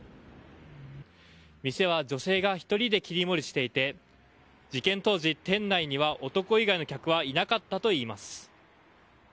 店は女性が１人で切り盛りしていて事件当時、店内には男以外の客はいなかったといいます。